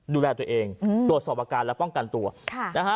ดูแลตัวเองตรวจสอบอาการและป้องกันตัวค่ะนะฮะ